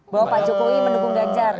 bahwa pak jokowi mendukung ganjar